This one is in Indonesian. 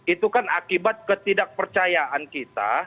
itu kan akibat ketidakpercayaan kita